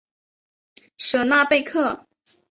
舍纳贝克。